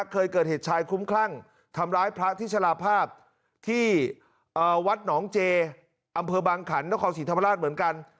เคยเกิดเหตุชายคุ้มคลั่งทำร้ายพระที่ชลาภาพที่วัดหนองเจอำเภอบางขันนครศรีธรรมราชเหมือนกัน